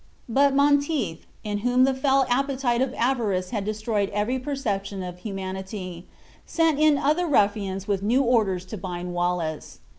But Monteith, in whom the fell appetite of avarice had destroyed every perception of humanity, sent in other ruffians with new orders to bind Wallace.